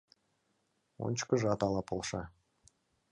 Ончыкыжат ала полша...»